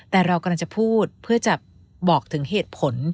แต่เรากำลังจะพูดเพื่อจะบอกถึงเหตุผล